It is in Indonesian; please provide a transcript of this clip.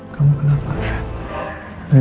kamu kenapa panikin burung